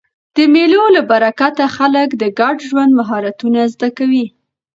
د مېلو له برکته خلک د ګډ ژوند مهارتونه زده کوي.